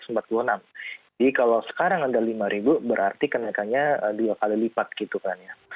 jadi kalau sekarang ada lima berarti kenakannya dua kali lipat gitu kan ya